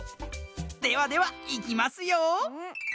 ではではいきますよ。